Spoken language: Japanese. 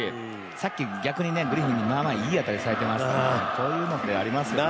さっき逆にグリフィンにいい当たりされてますからこういうのってありますよね。